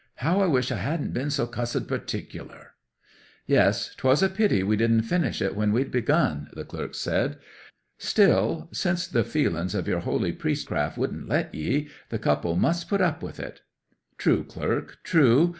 "How I wish I hadn't been so cussed particular!" '"Yes—'twas a pity we didn't finish it when we'd begun," the clerk said. "Still, since the feelings of your holy priestcraft wouldn't let ye, the couple must put up with it." '"True, clerk, true!